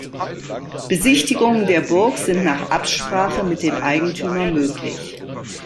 Besichtigungen der Burg sind nach Absprache mit dem Eigentümer möglich.